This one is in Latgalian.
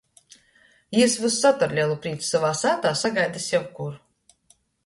Jis vysod ar lelu prīcu sovā sātā sagaida sevkuru.